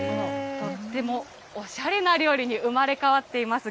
とってもおしゃれな料理に生まれ変わっています。